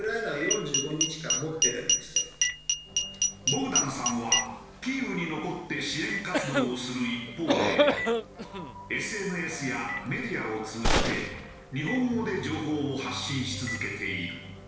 ボグダンさんはキーウに残って支援活動をする一方でＳＮＳやメディアを通じて日本語で情報を発信し続けている。